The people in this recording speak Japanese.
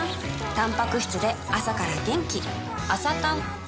たんぱく質で朝から元気